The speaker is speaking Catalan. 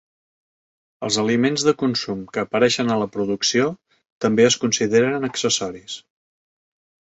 Els aliments de consum que apareixen a la producció també es consideren accessoris.